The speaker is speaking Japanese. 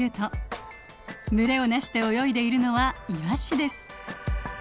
群れを成して泳いでいるのはイワシです。